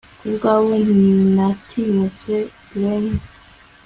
Kubwawe natinyutse glen